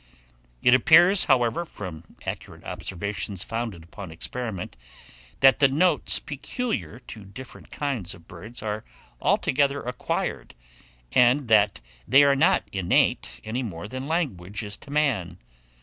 It appears, however, from accurate observations founded upon experiment, that the notes peculiar to different kinds of birds are altogether acquired, and that they are not innate, any more than language is to man.